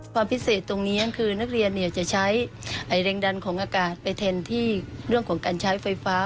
ความพิเศษตรงนี้คือนักเรียนจะใช้แรงดันของอากาศไปแทนที่เรื่องของการใช้ไฟฟ้า